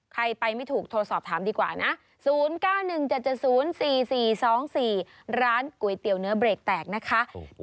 ใครไปไม่ถูกโทรสอบถามดีกว่านะ๐๙๑๗๗๐๔๔๒๔ร้านก๋วยเตี๋ยวเนื้อเบรกแตกนะคะ